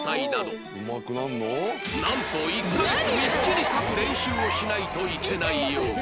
なんと１カ月みっちり書く練習をしないといけないようだ